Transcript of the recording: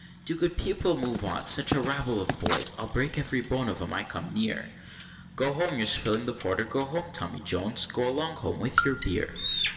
Do, good people, move on, such a rabble of boys! I'll break every bone of 'em I come near, Go home you're spilling the porter go home Tommy Jones, go along home with your beer.